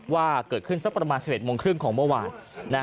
ว่าเกิดขึ้นสักประมาณ๑๑โมงครึ่งของเมื่อวาน